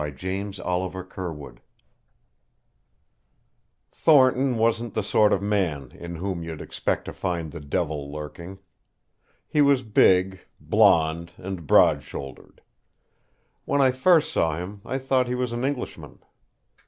THE OTHER MAN'S WIFE Thornton wasn't the sort of man in whom you'd expect to find the devil lurking. He was big, blond, and broad shouldered. When I first saw him I thought he was an Englishman.